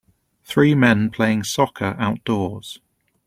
Three men playing soccer outdoors.